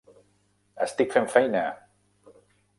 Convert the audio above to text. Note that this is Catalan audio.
Estic fent feina!